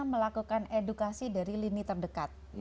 melakukan edukasi dari lini terdekat